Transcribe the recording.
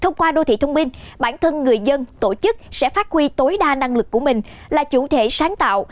thông qua đô thị thông minh bản thân người dân tổ chức sẽ phát huy tối đa năng lực của mình là chủ thể sáng tạo